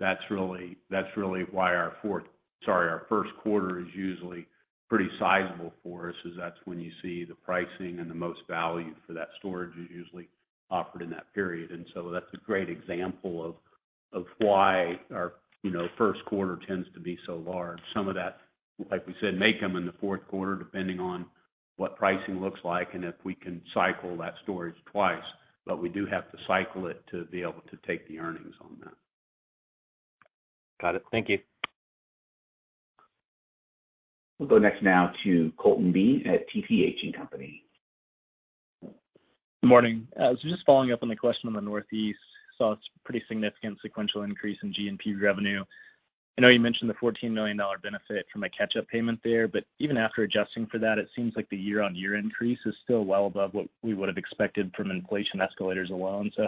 S3: That's really, that's really why our fourth-- sorry, our first quarter is usually pretty sizable for us, is that's when you see the pricing and the most value for that storage is usually offered in that period. That's a great example of, of why our, you know, first quarter tends to be so large. Some of that, like we said, may come in the fourth quarter, depending on what pricing looks like and if we can cycle that storage twice. We do have to cycle it to be able to take the earnings on that.
S10: Got it. Thank you.
S1: We'll go next now to Colton Bean at TPH&Co.
S11: Good morning. Just following up on the question on the Northeast, saw it's pretty significant sequential increase in G&P revenue. I know you mentioned the $14 million benefit from a catch-up payment there, even after adjusting for that, it seems like the year-on-year increase is still well above what we would have expected from inflation escalators alone. I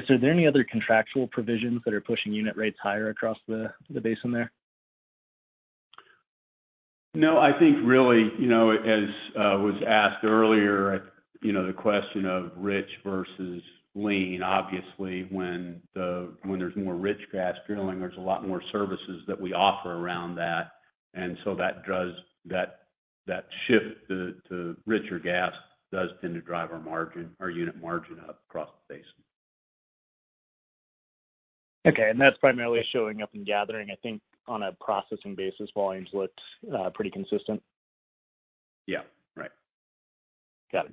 S11: guess, are there any other contractual provisions that are pushing unit rates higher across the basin there?
S3: No, I think really, you know, as was asked earlier, you know, the question of rich versus lean. Obviously, when there's more rich gas drilling, there's a lot more services that we offer around that. That does, that, that shift to, to richer gas does tend to drive our margin, our unit margin up across the basin.
S11: Okay, that's primarily showing up in gathering. I think on a processing basis, volumes looked pretty consistent.
S3: Yeah, right.
S11: Got it.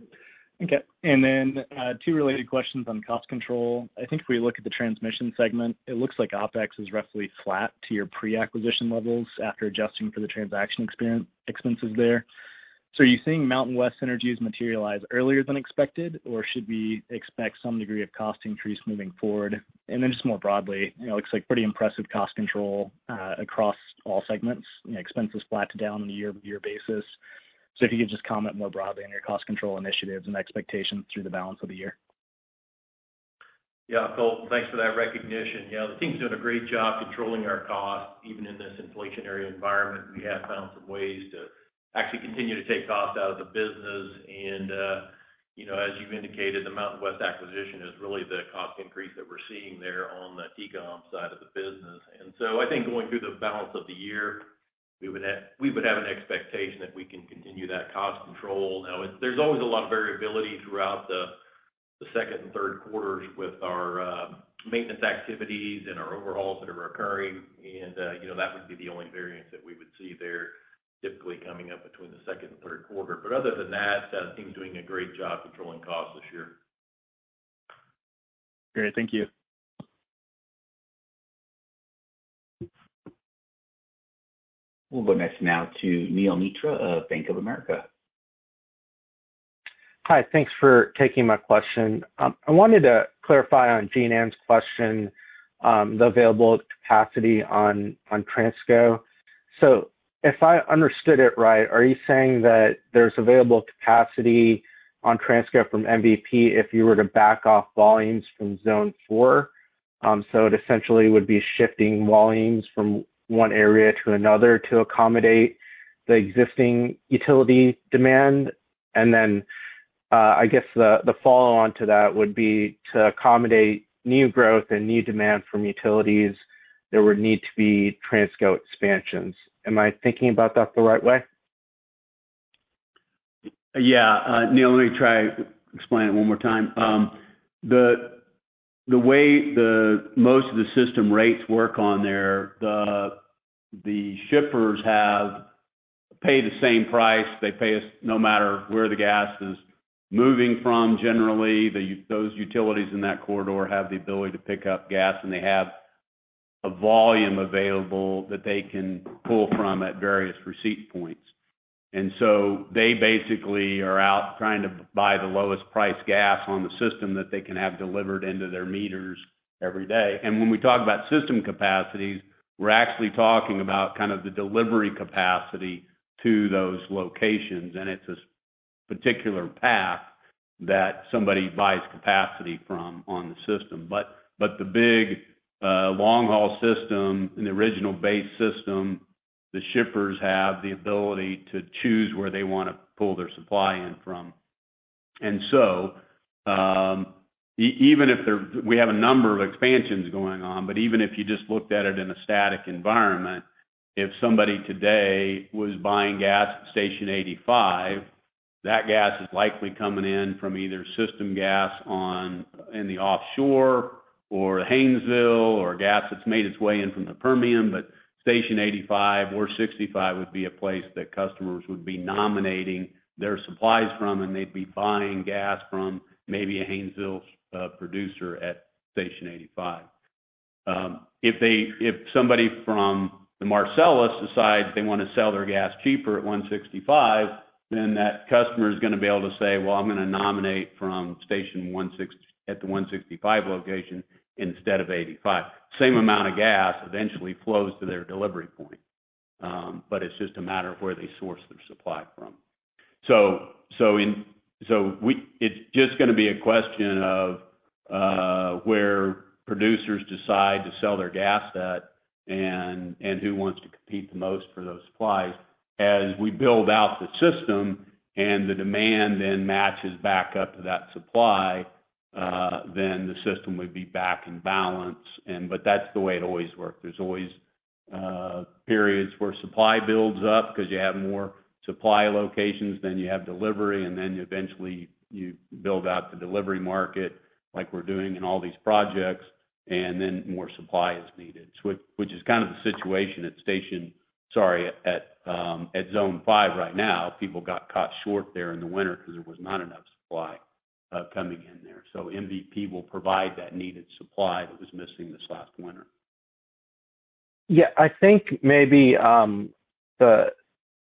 S11: Okay, then, two related questions on cost control. I think if we look at the transmission segment, it looks like OpEx is roughly flat to your pre-acquisition levels after adjusting for the transaction expense there. Are you seeing MountainWest synergies materialize earlier than expected, or should we expect some degree of cost increase moving forward? Then just more broadly, you know, it looks like pretty impressive cost control across all segments and expenses flat to down on a year-over-year basis. If you could just comment more broadly on your cost control initiatives and expectations through the balance of the year.
S8: Colton, thanks for that recognition. The team's doing a great job controlling our costs, even in this inflationary environment. We have found some ways to actually continue to take costs out of the business. You know, as you've indicated, the MountainWest acquisition is really the cost increase that we're seeing there on the O&M side of the business. So I think going through the balance of the year, we would have, we would have an expectation that we can continue that cost control. Now, there's always a lot of variability throughout the, the second and third quarters with our maintenance activities and our overhauls that are occurring. You know, that would be the only variance that we would see there, typically coming up between the second and third quarter. Other than that, the team's doing a great job controlling costs this year.
S11: Great. Thank you.
S1: We'll go next now to Neel Mitra of Bank of America.
S12: Hi, thanks for taking my question. I wanted to clarify on Jean Ann's question, the available capacity on, on Transco. If I understood it right, are you saying that there's available capacity on Transco from MVP if you were to back off volumes from Zone 4? It essentially would be shifting volumes from one area to another to accommodate the existing utility demand? I guess the, the follow-on to that would be to accommodate new growth and new demand from utilities, there would need to be Transco expansions. Am I thinking about that the right way?
S3: Neal, let me try to explain it one more time. The way most of the system rates work on there, the shippers pay the same price. They pay us no matter where the gas is moving from. Generally, those utilities in that corridor have the ability to pick up gas, and they have a volume available that they can pull from at various receipt points. They basically are out trying to buy the lowest priced gas on the system that they can have delivered into their meters every day. When we talk about system capacities, we're actually talking about kind of the delivery capacity to those locations, and it's a particular path that somebody buys capacity from on the system. The big long-haul system and the original base system, the shippers have the ability to choose where they want to pull their supply in from. Even if they're-- we have a number of expansions going on, but even if you just looked at it in a static environment, if somebody today was buying gas at Station 85, that gas is likely coming in from either system gas on, in the offshore or Haynesville or gas that's made its way in from the Permian. Station 85 or 65 would be a place that customers would be nominating their supplies from, and they'd be buying gas from maybe a Haynesville producer at Station 85. If they, if somebody from the Marcellus decides they want to sell their gas cheaper at Station 165, then that customer is going to be able to say, "Well, I'm going to nominate from Station 160-- at the 165 location instead of Station 85." Same amount of gas eventually flows to their delivery point, but it's just a matter of where they source their supply from. It's just going to be a question of where producers decide to sell their gas at and, and who wants to compete the most for those supplies. As we build out the system and the demand then matches back up to that supply, then the system would be back in balance. But that's the way it always worked. There's always periods where supply builds up because you have more supply locations than you have delivery, and then eventually you build out the delivery market, like we're doing in all these projects, and then more supply is needed. Which is kind of the situation at Zone 5 right now. People got caught short there in the winter because there was not enough supply, coming in there. MVP will provide that needed supply that was missing this last winter.
S12: I think maybe, the,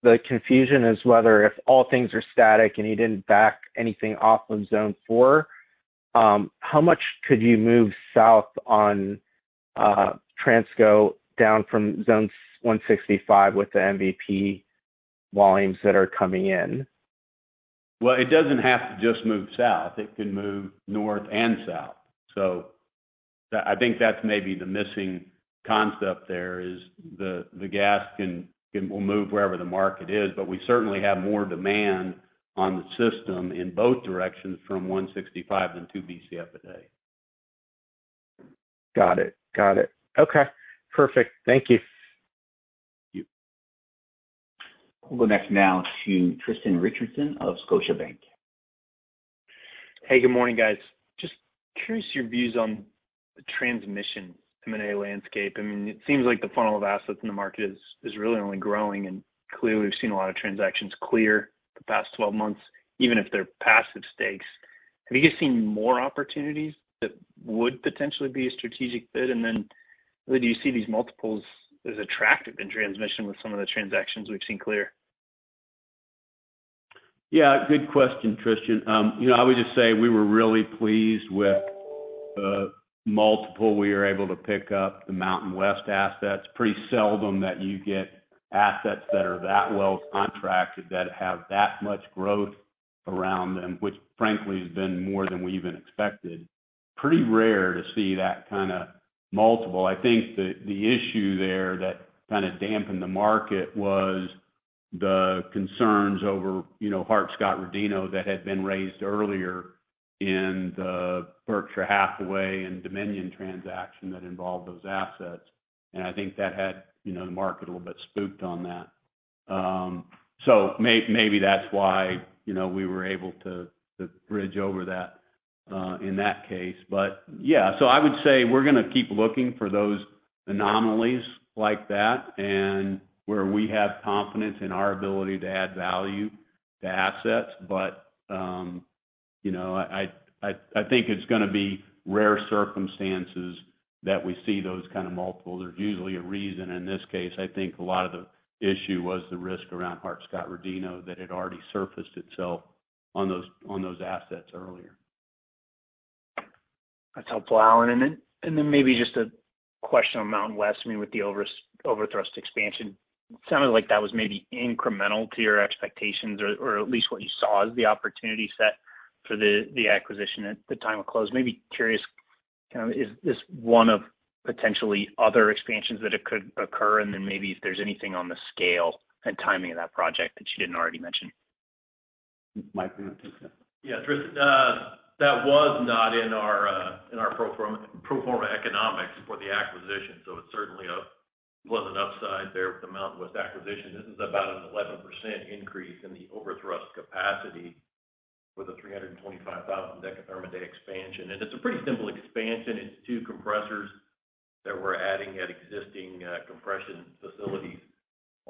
S12: the confusion is whether if all things are static and you didn't back anything off of Zone 4, how much could you move south on Transco down from Zone 165 with the MVP volumes that are coming in?
S3: It doesn't have to just move south. It can move north and south. I think that's maybe the missing concept there, is the gas will move wherever the market is, but we certainly have more demand on the system in both directions from 165 than 2 BCF a day.
S12: Got it. Got it. Okay, perfect. Thank you.
S3: Thank you.
S1: We'll go next now to Tristan Richardson of Scotiabank.
S13: Hey, good morning, guys. Just curious, your views on the transmission M&A landscape. I mean, it seems like the funnel of assets in the market is really only growing, and clearly, we've seen a lot of transactions clear the past 12 months, even if they're passive stakes. Have you guys seen more opportunities that would potentially be a strategic fit? Then do you see these multiples as attractive in transmission with some of the transactions we've seen clear?
S3: Yeah, good question, Tristan. You know, I would just say we were really pleased with the multiple. We were able to pick up the MountainWest assets. Pretty seldom that you get assets that are that well contracted, that have that much growth around them, which frankly, has been more than we even expected. Pretty rare to see that kind of multiple. I think the, the issue there that kind of dampened the market was the concerns over, you know, Hart-Scott-Rodino that had been raised earlier in the Berkshire Hathaway and Dominion transaction that involved those assets. I think that had, you know, the market a little bit spooked on that. So may-maybe that's why, you know, we were able to, to bridge over that in that case. I would say we're going to keep looking for those anomalies like that and where we have confidence in our ability to add value to assets. You know, I, I, I think it's going to be rare circumstances that we see those kind of multiples. There's usually a reason. In this case, I think a lot of the issue was the risk around Hart-Scott-Rodino that had already surfaced itself on those, on those assets earlier.
S13: That's helpful, Alan. Then maybe just a question on MountainWest, I mean, with the Overthrust expansion. It sounded like that was maybe incremental to your expectations, or, or at least what you saw as the opportunity set for the, the acquisition at the time of close. Maybe curious, kind of, is this one of potentially other expansions that it could occur? Maybe if there's anything on the scale and timing of that project that you didn't already mention.
S3: Mike, do you want to take that?
S8: Yeah, Tristan, that was not in our pro forma economics for the acquisition, so it's certainly a pleasant upside there with the MountainWest acquisition. This is about an 11% increase in the Overthrust Pipeline capacity, with a 325,000 dekatherm a day expansion. It's a pretty simple expansion. It's two compressors that we're adding at existing compression facilities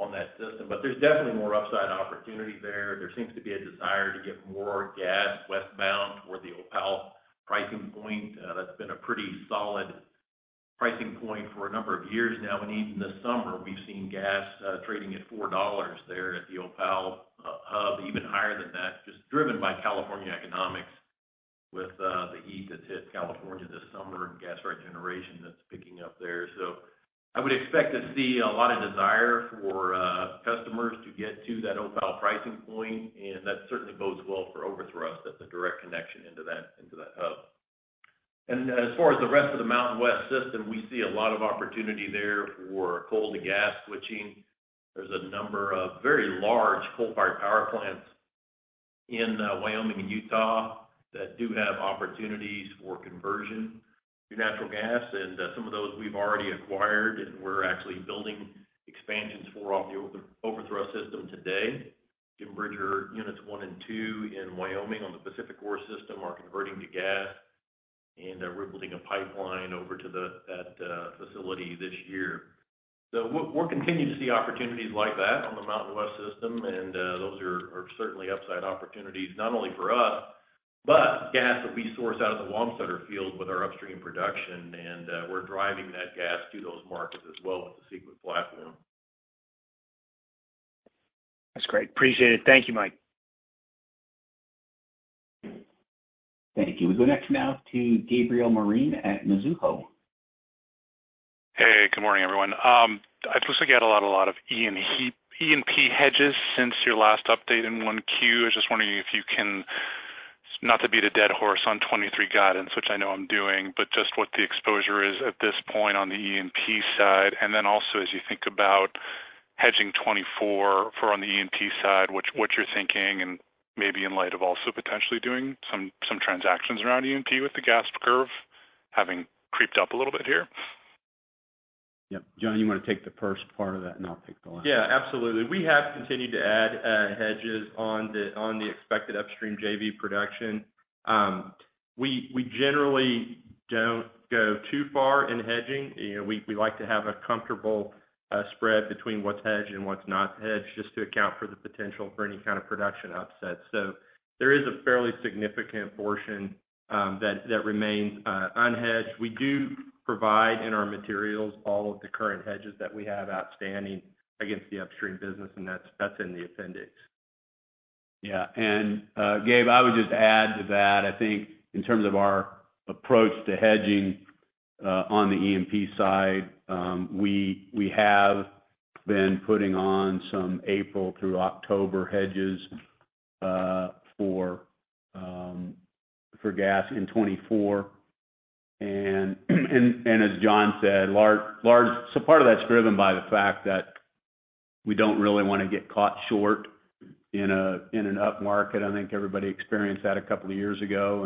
S8: on that system. There's definitely more upside opportunity there. There seems to be a desire to get more gas westbound toward the Opal hub pricing point. That's been a pretty solid pricing point for a number of years now, when even this summer, we've seen gas trading at $4 there at the Opal hub, even higher than that, just driven by California economics with the heat that hit California this summer and gas-fired generation that's picking up there. I would expect to see a lot of desire for customers to get to that Opal pricing point, and that certainly bodes well for Overthrust. That's a direct connection into that, into that hub. As far as the rest of the MountainWest system, we see a lot of opportunity there for coal and gas switching. There's a number of very large coal-fired power plants in Wyoming and Utah that do have opportunities for conversion to natural gas. Some of those we've already acquired, and we're actually building expansions for off the Overthrust system today. In Bridger, units 1 and 2 in Wyoming on the PacifiCorp system are converting to gas, we're building a pipeline over to that facility this year. We'll continue to see opportunities like that on the MountainWest system, those are certainly upside opportunities, not only for us, but gas that we source out of the Wamsutter field with our upstream production. We're driving that gas to those markets as well with the Sequent Platform.
S13: That's great. Appreciate it. Thank you, Mike.
S1: Thank you. We go next now to Gabriel Moreen at Mizuho.
S14: Hey, good morning, everyone. I suppose we get a lot, a lot of E&P hedges since your last update in 1Q. I was just wondering if you can. Not to beat a dead horse on 2023 guidance, which I know I'm doing, but just what the exposure is at this point on the E&P side. Also, as you think about hedging 2024 for on the E&P side, what you're thinking, and maybe in light of also potentially doing some, some transactions around E&P with the gas curve, having creeped up a little bit here?
S3: Yep. John, you want to take the first part of that, and I'll take the last?
S4: Yeah, absolutely. We have continued to add hedges on the expected upstream JV production. We, we generally don't go too far in hedging. You know, we, we like to have a comfortable spread between what's hedged and what's not hedged, just to account for the potential for any kind of production upset. There is a fairly significant portion that, that remains unhedged. We do provide in our materials all of the current hedges that we have outstanding against the upstream business, and that's, that's in the appendix.
S3: Yeah. Gabe, I would just add to that. I think in terms of our approach to hedging on the E&P side, we have been putting on some April through October hedges for gas in 2024. As John said, large. Part of that's driven by the fact that we don't really want to get caught short in an upmarket. I think everybody experienced that a couple of years ago,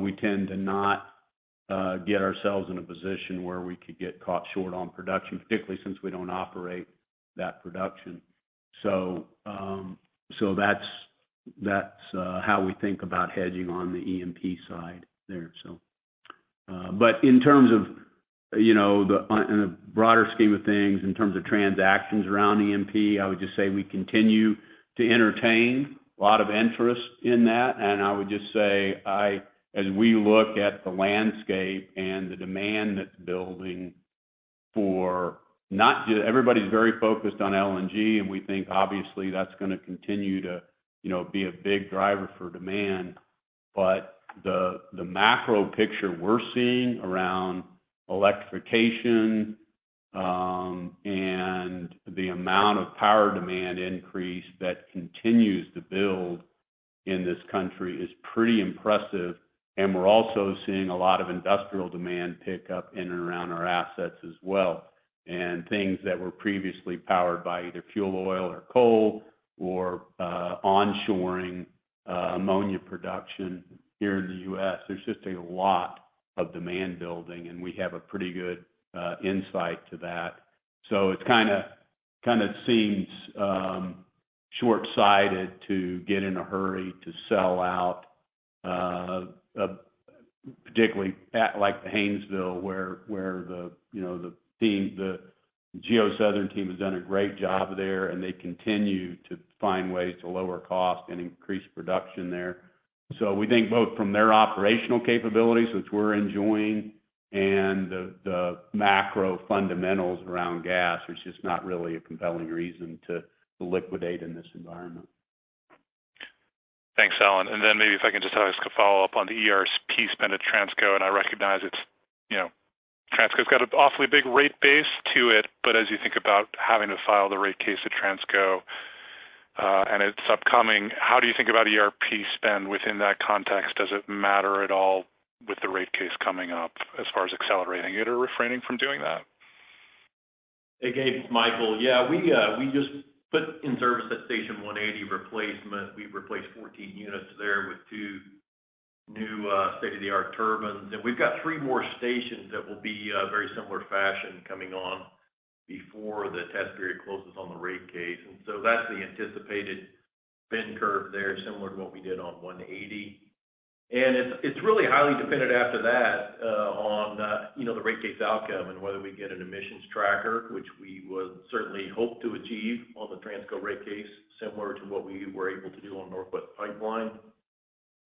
S3: we tend to not get ourselves in a position where we could get caught short on production, particularly since we don't operate that production. That's how we think about hedging on the E&P side there. In terms of, you know, on a broader scheme of things, in terms of transactions around E&P, I would just say we continue to entertain a lot of interest in that. I would just say, as we look at the landscape and the demand that's building for not just Everybody's very focused on LNG, we think obviously that's gonna continue to, you know, be a big driver for demand. The, the macro picture we're seeing around electrification, and the amount of power demand increase that continues to build in this country is pretty impressive. We're also seeing a lot of industrial demand pick up in and around our assets as well, and things that were previously powered by either fuel oil or coal or onshoring ammonia production here in the U.S. There's just a lot of demand building, and we have a pretty good insight to that. It's kind of, kind of seems short-sighted to get in a hurry to sell out, particularly at, like, the Haynesville, where, where the, you know, GeoSouthern team has done a great job there, and they continue to find ways to lower costs and increase production there. We think both from their operational capabilities, which we're enjoying, and the, the macro fundamentals around gas, there's just not really a compelling reason to, to liquidate in this environment.
S14: Thanks, Alan. Maybe if I can just ask a follow-up on the REA spend at Transco, and I recognize it's, you know, Transco's got an awfully big rate base to it, but as you think about having to file the rate case at Transco, and it's upcoming, how do you think about REA spend within that context? Does it matter at all with the rate case coming up, as far as accelerating it or refraining from doing that?
S8: Hey, Gabe, it's Michael. Yeah, we just put in service at Station 180 replacement. We replaced 14 units there with 2 new, state-of-the-art turbines. We've got 3 more stations that will be very similar fashion coming on before the test period closes on the rate case. So that's the anticipated spend curve there, similar to what we did on 180. It's really highly dependent after that, on, you know, the rate case outcome and whether we get an emissions tracker, which we would certainly hope to achieve on the Transco rate case, similar to what we were able to do on Northwest Pipeline.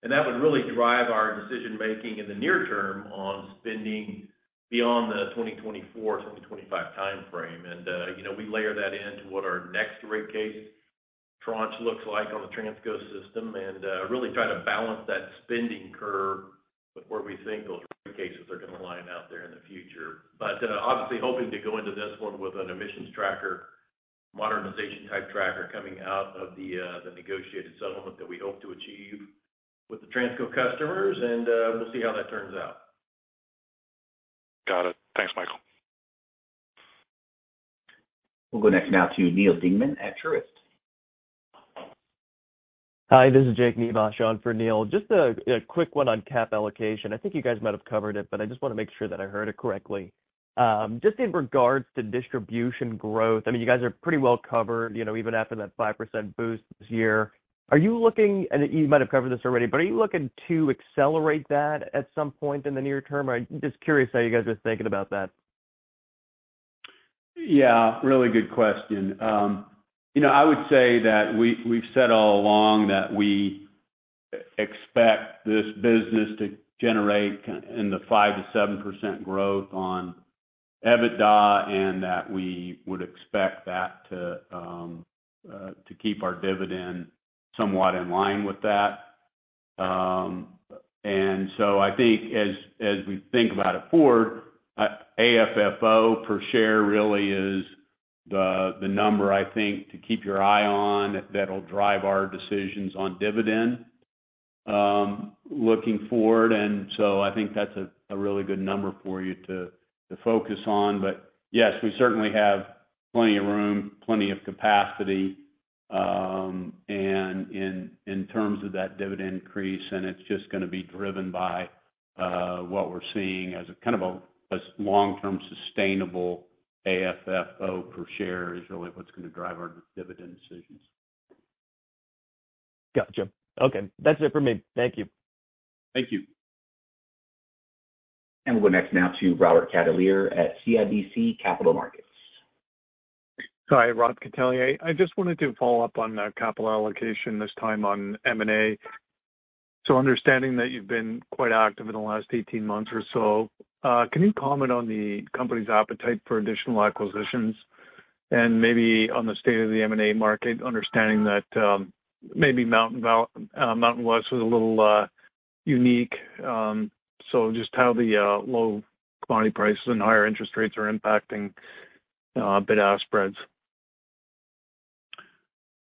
S8: That would really drive our decision-making in the near term on spending beyond the 2024/2025 time frame. You know, we layer that into what our next rate case tranche looks like on the Transco system, and really try to balance that spending curve with where we think those rate cases are going to line out there in the future. Obviously hoping to go into this one with an emissions tracker, modernization-type tracker coming out of the negotiated settlement that we hope to achieve with the Transco customers, and we'll see how that turns out.
S14: Got it. Thanks, Michael.
S1: We'll go next now to Neal Dingmann at Truist.
S15: Hi, this is Jake Nivasch on for Neal Dingmann. Just a quick one on cap allocation. I think you guys might have covered it, but I just want to make sure that I heard it correctly. Just in regards to distribution growth, I mean, you guys are pretty well covered, you know, even after that 5% boost this year. And you might have covered this already, but are you looking to accelerate that at some point in the near term? I'm just curious how you guys are thinking about that.
S3: Yeah, really good question. You know, I would say that we, we've said all along that we e-expect this business to generate in the 5%-7% growth on EBITDA, and that we would expect that to keep our dividend somewhat in line with that. I think as, as we think about it forward, AFFO per share really is the, the number, I think, to keep your eye on. That'll drive our decisions on dividend, looking forward. I think that's a, a really good number for you to focus on. Yes, we certainly have plenty of room, plenty of capacity, and in, in terms of that dividend increase, and it's just going to be driven by what we're seeing as a kind of a, as long-term sustainable AFFO per share is really what's going to drive our dividend decisions.
S15: Gotcha. Okay. That's it for me. Thank you.
S3: Thank you.
S1: We'll go next now to Robert Catellier at CIBC Capital Markets.
S16: Hi, Rob Catellier. I just wanted to follow up on capital allocation, this time on M&A. Understanding that you've been quite active in the last 18 months or so, can you comment on the company's appetite for additional acquisitions and maybe on the state of the M&A market, understanding that, maybe MountainWest was a little unique, just how the low commodity prices and higher interest rates are impacting bid-ask spreads?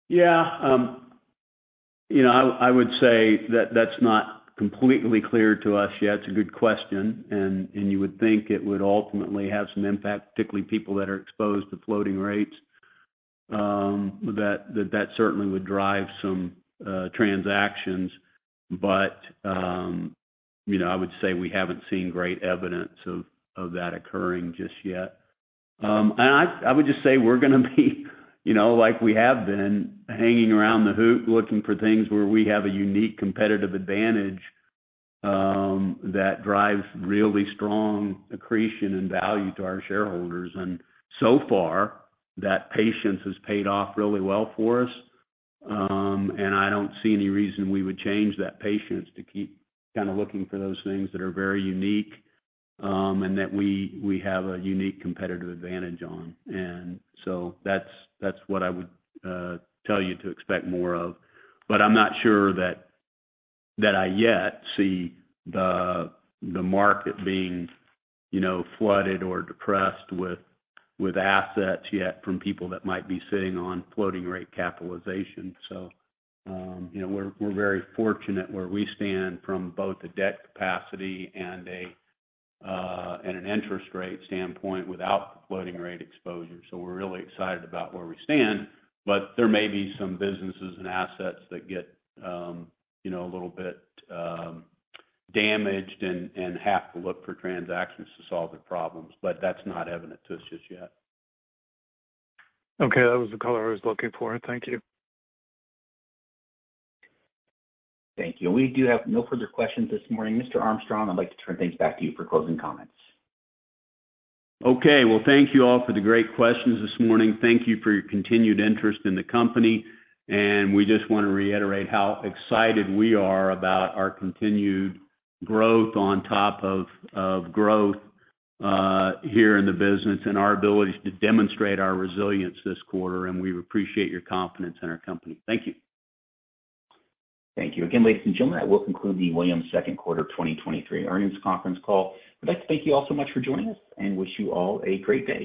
S3: Yeah, you know, I, I would say that that's not completely clear to us yet. It's a good question, and, and you would think it would ultimately have some impact, particularly people that are exposed to floating rates, that, that certainly would drive some transactions. You know, I would say we haven't seen great evidence of, of that occurring just yet. I, I would just say we're gonna be, you know, like we have been, hanging around the hoop, looking for things where we have a unique competitive advantage, that drives really strong accretion and value to our shareholders. So far, that patience has paid off really well for us, I don't see any reason we would change that patience to keep kind of looking for those things that are very unique, and that we, we have a unique competitive advantage on. That's, that's what I would tell you to expect more of. I'm not sure that, that I yet see the, the market being, you know, flooded or depressed with, with assets yet from people that might be sitting on floating rate capitalization. You know, we're, we're very fortunate where we stand from both a debt capacity and an interest rate standpoint without floating rate exposure. We're really excited about where we stand, but there may be some businesses and assets that get, you know, a little bit, damaged and, and have to look for transactions to solve their problems, but that's not evident to us just yet.
S16: Okay. That was the color I was looking for. Thank you.
S1: Thank you. We do have no further questions this morning. Mr. Armstrong, I'd like to turn things back to you for closing comments.
S3: Okay. Well, thank you all for the great questions this morning. Thank you for your continued interest in the company, and we just want to reiterate how excited we are about our continued growth on top of, of growth here in the business, and our ability to demonstrate our resilience this quarter, and we appreciate your confidence in our company. Thank you.
S1: Thank you. Again, ladies and gentlemen, that will conclude the Williams second quarter 2023 earnings conference call. I'd like to thank you all so much for joining us and wish you all a great day.